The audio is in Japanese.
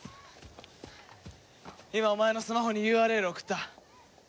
今お前のスマホにＵＲＬを送った。